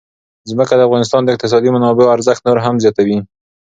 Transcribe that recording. ځمکه د افغانستان د اقتصادي منابعو ارزښت نور هم زیاتوي.